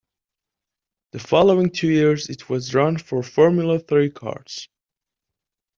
The following two years, it was run for Formula Three cars.